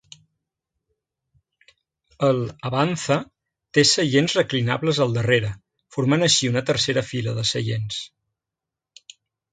El Avanza té seients reclinables al darrere, formant així una tercera fila de seients.